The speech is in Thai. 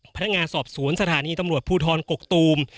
พนักงานสอบสวนสถานีตำรวจภูทรกกตูม